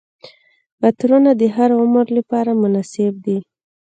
عطرونه د هر عمر لپاره مناسب دي.